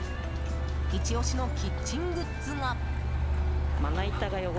イチ押しのキッチングッズが。